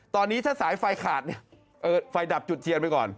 ตอนนี้ถ้าสายไฟขาดเนี่ยไฟดับจุดเทียนไปก่อน